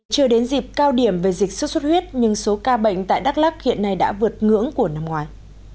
chưa đến dịp cao điểm về dịch sốt xuất huyết nhưng số ca bệnh tại đắk lắc hiện nay đã vượt ngưỡng của năm ngoái